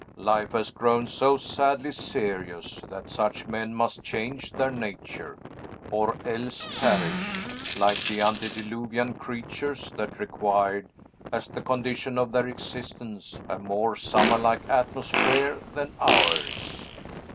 Life has grown so sadly serious, that such men must change their nature, or else perish, like the antediluvian creatures that required, as the condition of their existence, a more summer like atmosphere than ours."